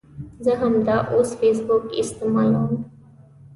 زه همداوس فیسبوک استعمالوم